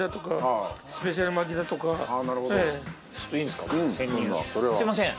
すいません